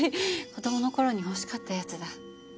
子供の頃に欲しかったやつだ。